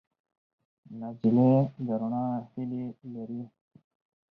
نجلۍ د رڼا هیلې لري.